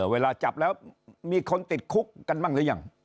เวลาจับแล้วมีคนติดคุกกันบ้างหรือยัง